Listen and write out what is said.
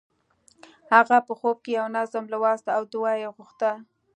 هغه په خوب کې یو نظم لوست او دعا یې غوښته